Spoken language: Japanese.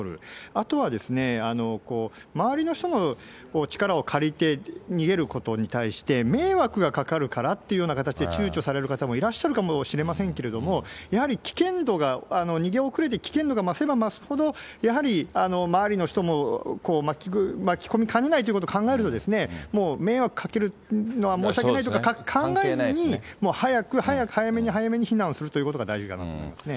あとは、周りの人の力を借りて逃げることに対して、迷惑がかかるからっていうような形で、ちゅうちょされる方もいらっしゃるかもしれませんけれども、やはり危険度が、逃げ遅れて危険度が増せば増すほど、やはり周りの人も巻き込みたくないということを考えると、もう迷惑かけるのは申し訳ないとか考えずに、早く、早めに早めに避難をするということが大事だなと思うんですね。